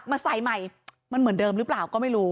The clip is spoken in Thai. มันเหมือนเดิมหรือเปล่า